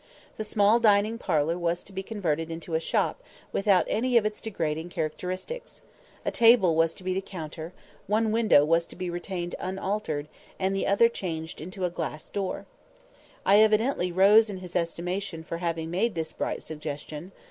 The small dining parlour was to be converted into a shop, without any of its degrading characteristics; a table was to be the counter; one window was to be retained unaltered, and the other changed into a glass door. I evidently rose in his estimation for having made this bright suggestion.